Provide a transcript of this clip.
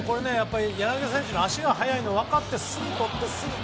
柳田選手の足が速いの分かってすぐとってすぐ。